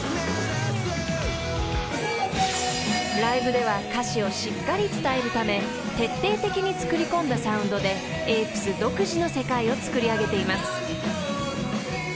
［ライブでは歌詞をしっかり伝えるため徹底的に作り込んだサウンドでＡｐｅｓ独自の世界をつくりあげています］